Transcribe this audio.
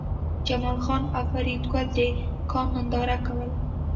جمال خان او فریدګل د کان ننداره کوله